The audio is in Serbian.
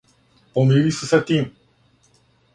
Помири се са тим!